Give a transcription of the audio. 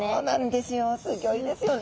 すギョいですよね。